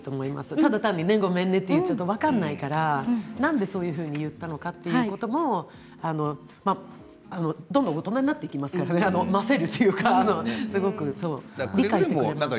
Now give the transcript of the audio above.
ただ単にごめんねと言うだけじゃ分からないと思うからなんでそういうふうに言ってしまったかということどんどん大人になっていきますからませるというか理解していきます。